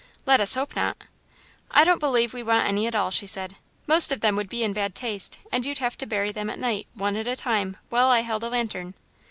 "Let us hope not." "I don't believe we want any at all," she said. "Most of them would be in bad taste, and you'd have to bury them at night, one at a time, while I held a lantern."